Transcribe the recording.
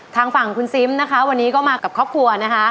ทางฝั่งคุณซิมนะคะวันนี้ก็มากับครอบครัวนะคะ